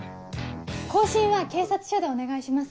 更新は警察署でお願いします。